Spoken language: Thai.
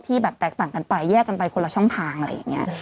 แบบแตกต่างกันไปแยกกันไปคนละช่องทางอะไรอย่างนี้